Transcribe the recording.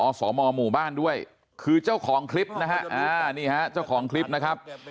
อรศหมอหมู่บ้านด้วยคือเจ้าของคลิปนะนี่นะครับ